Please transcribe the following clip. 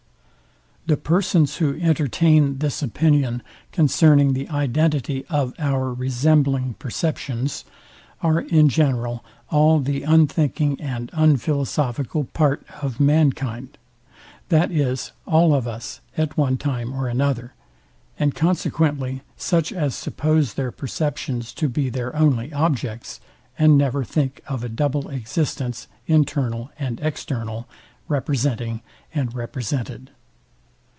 The persons, who entertain this opinion concerning the identity of our resembling perceptions, are in general an the unthinking and unphilosophical part of mankind, (that is, all of us, at one time or other) and consequently such as suppose their perceptions to be their only objects, and never think of a double existence internal and external, representing and represented.